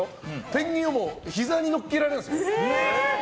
ペンギンをひざに乗っけられるんですよ。